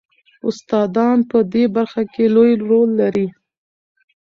استادان په دې برخه کې لوی رول لري.